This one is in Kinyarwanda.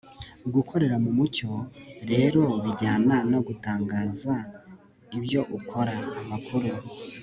gukorera mu mucyo rero bijyana no gutangaza ibyo ukora. amakuru